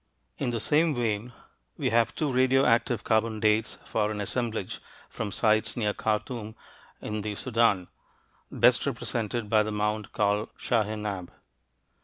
In this same vein, we have two radioactive carbon dates for an assemblage from sites near Khartoum in the Sudan, best represented by the mound called Shaheinab.